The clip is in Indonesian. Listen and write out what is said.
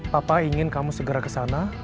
papa ingin kamu segera kesana